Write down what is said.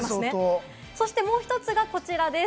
もう１つがこちらです。